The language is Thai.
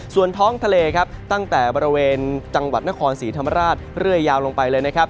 ส่วนท้องทะเลตั้งแต่บริเวณจังหวัดนครสีธรรมราชเรื่อยาวลงไป